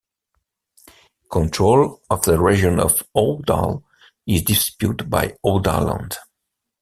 Control of the region of Awdal is disputed with Awdalland.